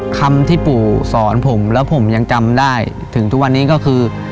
คำที่ปู่สอนผมแล้วผมยังจำได้ถึงทุกวันนี้ก็คือ